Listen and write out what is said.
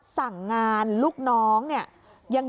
สั่งงานลูกน้องเนี่ย